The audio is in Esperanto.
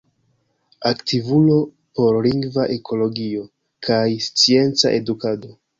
Aktivulo por lingva ekologio kaj scienca edukado.